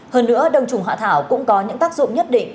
hơn nữa đông trùng hạ thảo cũng có những tác dụng nhất định